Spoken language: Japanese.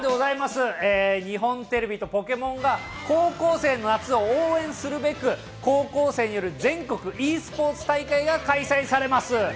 日本テレビとポケモンが高校生の夏を応援するべく、高校生による全国ｅスポーツ大会が開催されます。